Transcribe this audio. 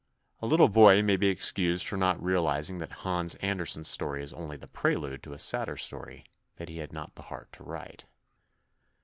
A little boy may be excused for not realising that Hans Andersen's story is only the prelude to a sadder story that he had not the heart to write.